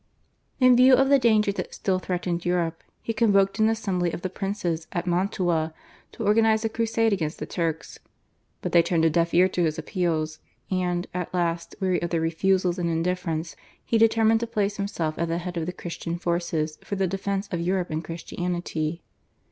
In view of the danger that still threatened Europe he convoked an assembly of the princes at Mantua to organise a crusade against the Turks, but they turned a deaf ear to his appeals, and, at last weary of their refusals and indifference, he determined to place himself at the head of the Christian forces for the defence of Europe and Christianity.